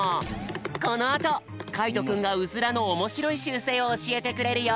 このあとかいとくんがウズラのおもしろいしゅうせいをおしえてくれるよ。